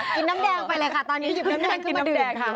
น้ำแดงไปเลยค่ะตอนนี้หยิบน้ำแดงขึ้นมาเดือดค่ะ